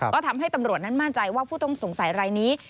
ก็ทำให้ตำรวจนั้นมั่นใจว่าผู้ต้องสงสัยรายนี้